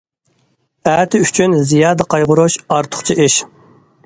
ئەتە ئۈچۈن زىيادە قايغۇرۇش ئارتۇقچە ئىش!